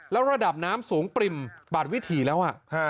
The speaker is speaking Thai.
แล้วระดับน้ำสูงปริ่มบาดวิถีแล้ว